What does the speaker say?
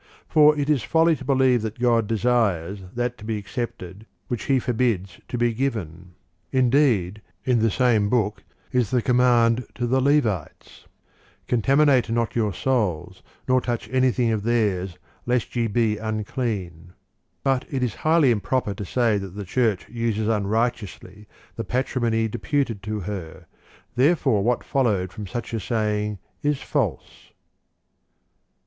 For it is folly to believe that God desires that to be accepted which He forbids to be given. Indeed, in the same book is 2. Jets 2y. 24. 3. A/j z8. 19. 4. PAi!. I. 2j. J. Leo. 2. II. L 190 DANTE ALIGHIERI [B.., the command to the Levites; "Contaminate not your souls, nor touch anything of theirs, lest ye be unclean." '* But it is highly improper to say that the Church uses unrighteously the patri mony deputed to her, therefore what followed from such a saying is false.